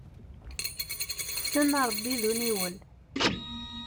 Tessen arebbi d uniwel.